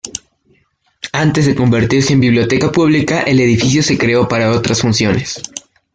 Antes de convertirse en biblioteca pública el edificio se creó para otras funciones.